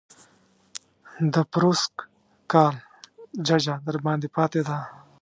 د پروسږ کال ججه درباندې پاتې ده.